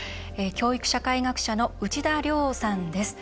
教育社会学者の内田良さんです。